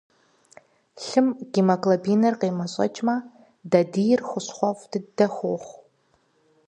Лъым гемоглобиныр къемэщӏэкӏмэ, дадийр хущхъуэфӏ дыдэ хуохъу.